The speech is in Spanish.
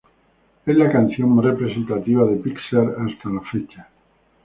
Es la canción más representativa de Pixar hasta la fecha.